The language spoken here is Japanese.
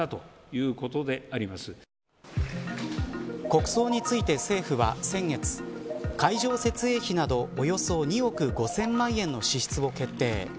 国葬について政府は先月会場設営費などおよそ２億５０００万円の支出を決定。